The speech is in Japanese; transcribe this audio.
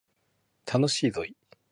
楽しいぞい